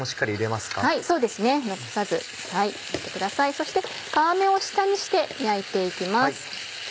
そして皮目を下にして焼いて行きます。